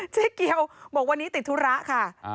เจ๊เกียวบอกวันนี้ติดธุระค่ะ